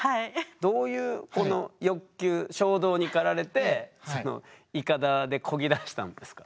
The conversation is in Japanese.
どういうこの欲求衝動に駆られてイカダでこぎ出したんですか？